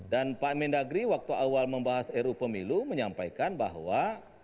dan pak mendagri waktu awal membahas ruu pemilu menyampaikan bahwa